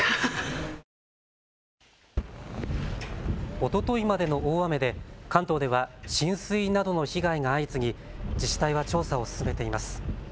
おとといまでの大雨で関東では浸水などの被害が相次ぎ自治体は調査を進めています。